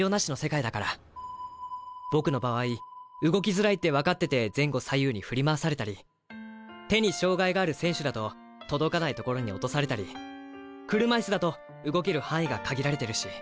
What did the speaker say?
僕の場合動きづらいって分かってて前後左右に振り回されたり手に障害がある選手だと届かないところに落とされたり車椅子だと動ける範囲が限られてるし。